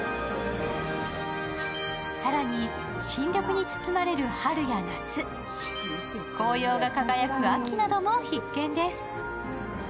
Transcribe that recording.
更に新緑に包まれる春や夏、紅葉が輝く秋なども必見です。